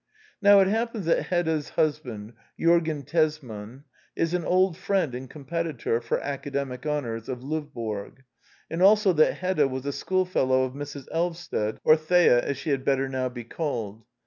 Now it happens that Hedda's husband, Jorgen Tesman, is an old friend and competitor (for academic honors) of Lovborg, and also that Hedda was a schoolfellow of Mrs. Elvsted, or Thea, as she had better now be called.